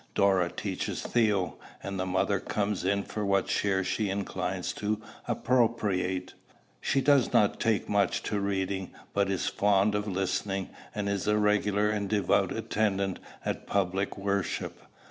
Dora teaches Theo, and the mother comes in for what share she inclines to appropriate. She does not take much to reading, but she is fond of listening; and is a regular and devout attendant at public worship.